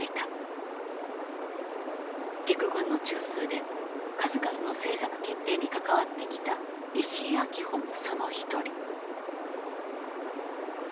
陸軍の中枢で数々の政策決定に関わってきた石井秋穂もその一人。